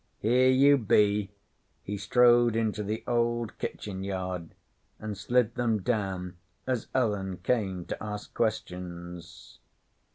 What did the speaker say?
'Here you be.' He strode into the old kitchen yard, and slid them down as Ellen came to ask questions.